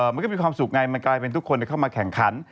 มันก็มีความสุขไงมันกลายเป็นทุกคนเข้ามาแข่งขัน